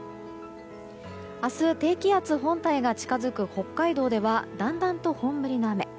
明日低気圧本体が近づく北海道ではだんだんと本降りの雨。